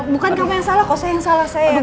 bukan kamu yang salah kok saya yang salah saya